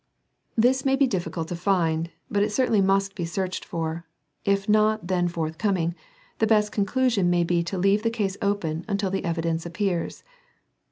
This may be difficult to find, but it certainly must be searched for ; if not then forth coming, the best conclusion may be to leave the case open until the evidence appears.